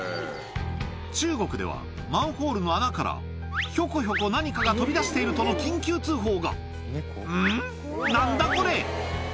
中国では、マンホールの穴からひょこひょこ何かが飛び出しているとの緊急通報が。